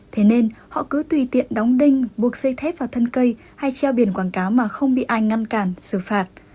thế nên họ cứ tùy tiện đóng đinh buộc xây thép vào thân cây hay treo biển quảng cáo mà không bị ai ngăn cản xử phạt